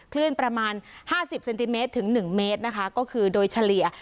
คลื่นประมาณ๒๐๕๑เมตรโดยเฉลี่ย